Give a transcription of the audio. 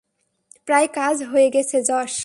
প্রায় কাজ হয়ে গেছে, জশ!